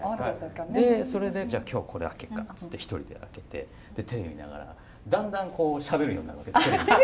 でそれで「じゃあ今日これ開けっかな」っつって一人で開けてでテレビ見ながらだんだんこうしゃべるようになるわけですテレビに。